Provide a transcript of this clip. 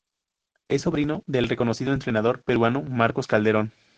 Es sobrino del reconocido entrenador peruano Marcos Calderón.